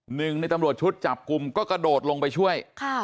หนึ่งในตำรวจชุดจับกลุ่มก็กระโดดลงไปช่วย